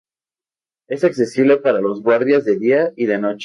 Es accesible para los guardias de día y de noche.